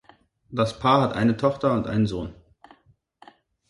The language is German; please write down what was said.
Das Paar hat eine Tochter und einen Sohn.